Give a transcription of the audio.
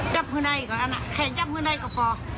จับพื้นในก่อนอันนั้นแข่งจับพื้นในก็พอ